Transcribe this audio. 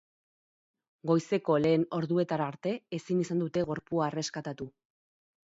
Goizeko lehen orduetara arte ezin izan dute gorpua erreskatatu.